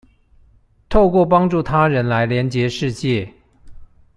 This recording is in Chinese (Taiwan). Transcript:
透過幫助他人來連結世界